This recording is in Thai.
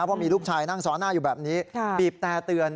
เพราะมีลูกชายนั่งซ้อนหน้าอยู่แบบนี้บีบแต่เตือน